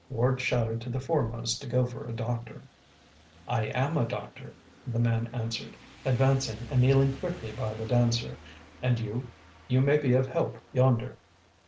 Ward shouted to the foremost to go for a doctor. "I am a doctor," the man answered, advancing and kneeling quickly by the dancer. "And you you may be of help yonder."